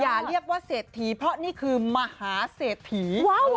อย่าเรียกว่าเศรษฐีเพราะนี่คือมหาเศรษฐี